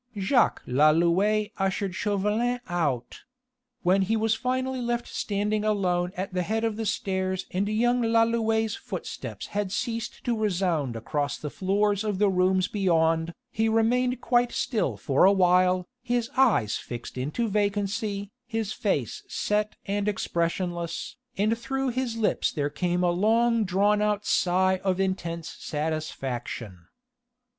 Jacques Lalouët ushered Chauvelin out. When he was finally left standing alone at the head of the stairs and young Lalouët's footsteps had ceased to resound across the floors of the rooms beyond, he remained quite still for awhile, his eyes fixed into vacancy, his face set and expressionless; and through his lips there came a long drawn out sigh of intense satisfaction.